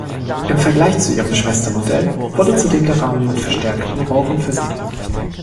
Im Vergleich zu ihrem Schwestermodell wurde zudem der Rahmen mit verstärkten Rohren versehen.